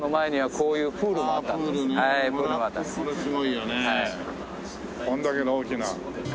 これだけの大きな。